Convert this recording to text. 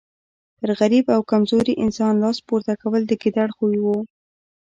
پر غریب او کمزوري انسان لاس پورته کول د ګیدړ خوی وو.